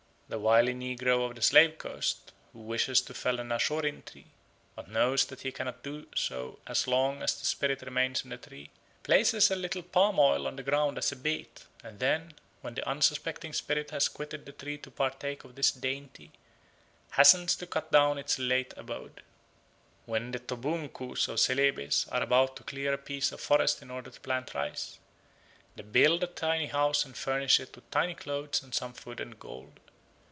The wily negro of the Slave Coast, who wishes to fell an ashorin tree, but knows that he cannot do it so long as the spirit remains in the tree, places a little palm oil on the ground as a bait, and then, when the unsuspecting spirit has quitted the tree to partake of this dainty, hastens to cut down its late abode. When the Toboongkoos of Celebes are about to clear a piece of forest in order to plant rice, they build a tiny house and furnish it with tiny clothes and some food and gold.